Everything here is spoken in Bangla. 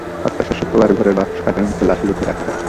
হত্যা শেষে শোবার ঘরের বক্স খাটের নিচে লাশ লুকিয়ে রাখা হয়।